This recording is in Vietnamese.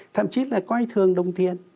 thậm chí là quay thường đồng tiền